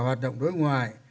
hoạt động đối ngoại